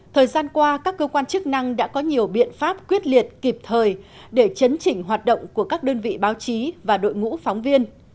thời gian qua các cơ quan chức năng đã có nhiều biện pháp quyết liệt kịp thời để chấn chỉnh hoạt động của các đơn vị báo chí và đội ngũ phóng viên